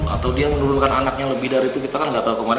atau dia menurunkan anaknya lebih dari itu kita kan nggak tahu kemana